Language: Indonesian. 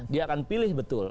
dia akan pilih betul